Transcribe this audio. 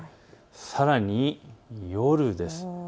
さらに夜です。